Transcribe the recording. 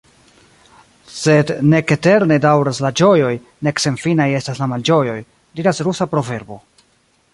Sed « nek eterne daŭras la ĝojoj, nek senfinaj estas la malĝojoj », diras rusa proverbo.